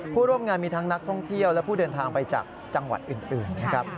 ผู้ร่วมงานมีทั้งนักท่องเที่ยวและผู้เดินทางไปจากจังหวัดอื่นนะครับ